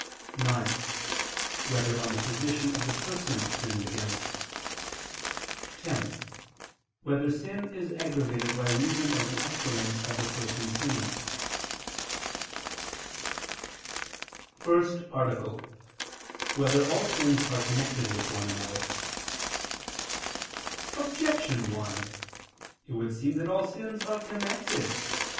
(9) Whether on the position of the person sinned against? (10) Whether sin is aggravated by reason of the excellence of the person sinning? ________________________ FIRST ARTICLE [I II, Q. 73, Art. 1] Whether All Sins Are Connected with One Another? Objection 1: It would seem that all sins are connected.